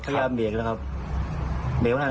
ขยามเบรกแล้วครับเบรกก็ทัน